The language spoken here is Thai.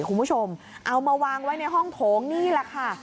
คุณผู้ชมเอามาวางไว้ในห้องโถงนี่แหละค่ะ